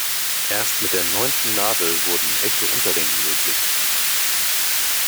Erst mit der neunten Nadel wurden echte Unterlängen möglich.